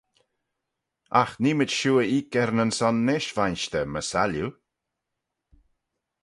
Agh neemayd shiu y eeck er-nyn-son nish, vainshter, my sailliu.